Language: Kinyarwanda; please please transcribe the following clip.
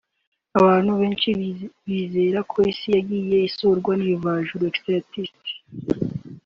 Abantu benshi bizera ko isi yagiye isurwa n’ibivejuru (Extraterrestes)